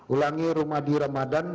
ulangi rumadi ramadhan